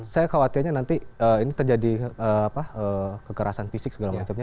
saya khawatirnya nanti ini terjadi kekerasan fisik segala macamnya